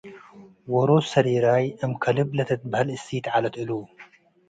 ዎሮት ሰሬራይ እም-ከልብ ለትትበሀል እሲ'ት ዐለት እሉ።